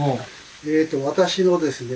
えと私のですね